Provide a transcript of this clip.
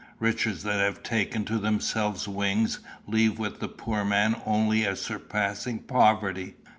Riches that have taken to themselves wings leave with the poor man only a surpassing poverty.